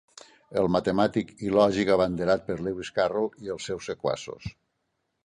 El matemàtic i lògic, abanderat per Lewis Carroll i els seus sequaços.